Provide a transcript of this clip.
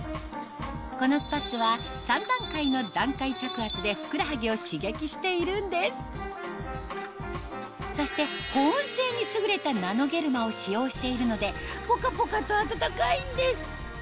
このスパッツは３段階の段階着圧でふくらはぎを刺激しているんですそしてを使用しているのでポカポカとあたたかいんです